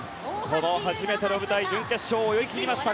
初めての舞台、準決勝を泳ぎ切りました。